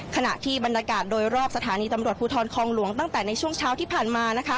ขณะที่บรรยากาศโดยรอบสถานีตำรวจภูทรคองหลวงตั้งแต่ในช่วงเช้าที่ผ่านมา